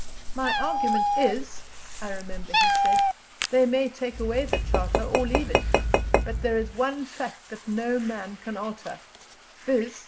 "My argument is," I remember he said, "they may take away the Charter or leave it, but there is one fact that no man can alter viz.